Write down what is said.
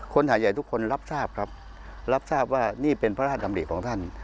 หาดใหญ่ทุกคนรับทราบครับรับทราบว่านี่เป็นพระราชดำริของท่าน